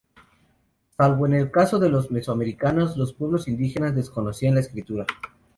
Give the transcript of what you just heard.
Salvo en el caso de los mesoamericanos, los pueblos indígenas desconocían la escritura.